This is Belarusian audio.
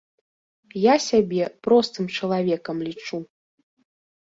Я сябе простым чалавекам лічу.